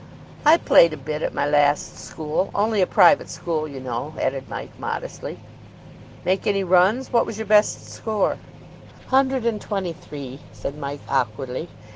"I played a bit at my last school. Only a private school, you know," added Mike modestly. "Make any runs? What was your best score?" "Hundred and twenty three," said Mike awkwardly.